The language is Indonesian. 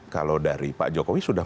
kalau dari pak jokowi sudah